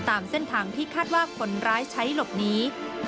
ตามเส้นทางที่คาดว่าคนร้ายใช้หลบหนี